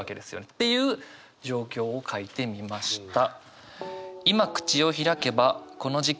っていう状況を書いてみました。